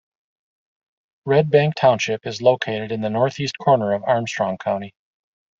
Redbank Township is located in the northeast corner of Armstrong County.